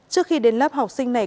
trước khi đến lớp học sinh này